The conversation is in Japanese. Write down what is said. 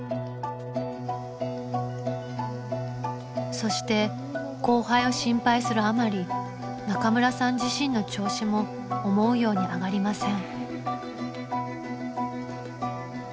そして後輩を心配するあまり中村さん自身の調子も思うように上がりません。